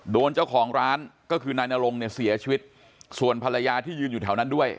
โดนเจ้าของร้านก็คือนายนรงเนี่ยเสียชีวิตส่วนภรรยาที่ยืนอยู่แถวนั้นด้วย